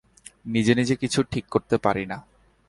নিজে নিজে কিছু ঠিক করতে পারি না।